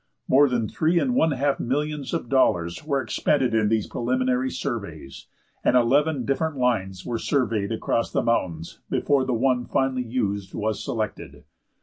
More than three and one half millions of dollars were expended in these preliminary surveys, and eleven different lines were surveyed across the mountains before the one finally used was selected.